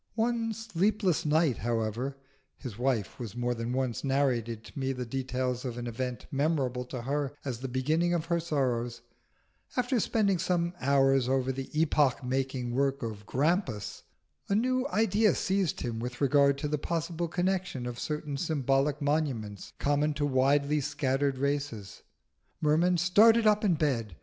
One sleepless night, however (his wife has more than once narrated to me the details of an event memorable to her as the beginning of sorrows), after spending some hours over the epoch making work of Grampus, a new idea seized him with regard to the possible connection of certain symbolic monuments common to widely scattered races. Merman started up in bed.